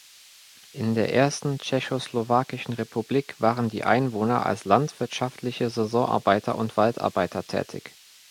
In der ersten tschechoslowakischen Republik waren die Einwohner als landwirtschaftliche Saisonarbeiter und Waldarbeiter tätig.